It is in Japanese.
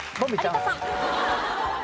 有田さん。